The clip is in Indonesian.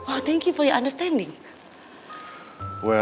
oh terima kasih atas pahamannya